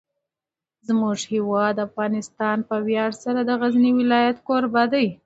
زموږ هیواد افغانستان په ویاړ سره د غزني ولایت کوربه دی.